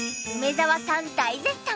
梅沢さん大絶賛。